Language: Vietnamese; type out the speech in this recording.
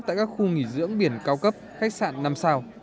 tại các khu nghỉ dưỡng biển cao cấp khách sạn năm sao